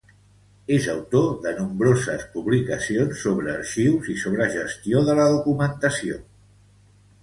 És autor de nombroses publicacions sobre arxius i sobre gestió de la documentació.